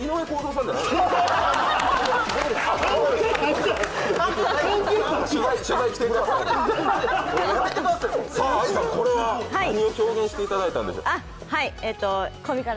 ＡＩさん、これは何を表現していただいたんでしょうか？